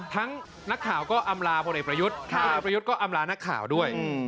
นักข่าวก็อำลาพลเอกประยุทธ์พลเอกประยุทธ์ก็อำลานักข่าวด้วย